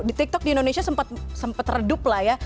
di tiktok di indonesia sempat redup lah ya